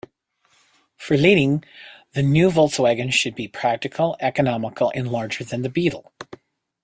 For Leiding, the new Volkswagen should be practical, economical and larger than the Beetle.